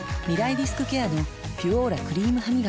リスクケアの「ピュオーラ」クリームハミガキ